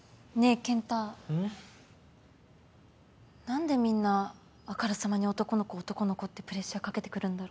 何でみんなあからさまに男の子男の子ってプレッシャーかけてくるんだろう。